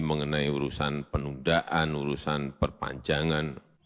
mengenai urusan penundaan urusan perpanjangan